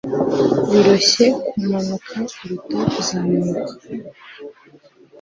Biroroshye kumanuka kuruta kuzamuka